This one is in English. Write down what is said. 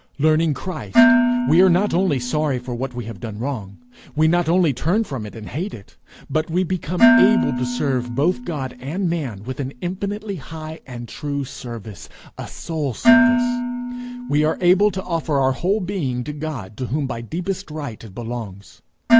Learning Christ, we are not only sorry for what we have done wrong, we not only turn from it and hate it, but we become able to serve both God and man with an infinitely high and true service, a soul service. We are able to offer our whole being to God to whom by deepest right it belongs.